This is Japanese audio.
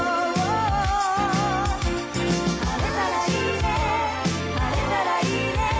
「晴れたらいいね晴れたらいいね」